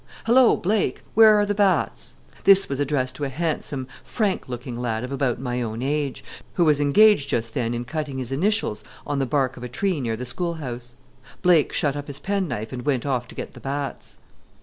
Hallo, Blake! Where are the bats?" This was addressed to a handsome, frank looking lad of about my own age, who was engaged just then in cutting his initials on the bark of a tree near the schoolhouse. Blake shut up his penknife and went off to get the bats.